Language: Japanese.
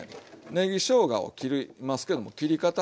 ねぎしょうがを切りますけども切り方。